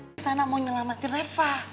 tentang istana mau nyelamatin reva